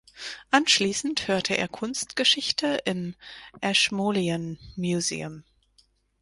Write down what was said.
Anschließend hörte er Kunstgeschichte im Ashmolean Museum.